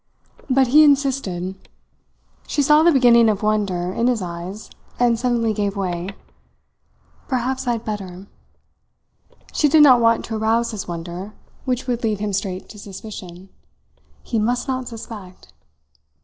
But he insisted; she saw the beginning of wonder in his eyes, and suddenly gave way. "Perhaps I had better." She did not want to arouse his wonder, which would lead him straight to suspicion. He must not suspect!